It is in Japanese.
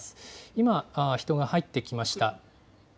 今、人が入ってきました。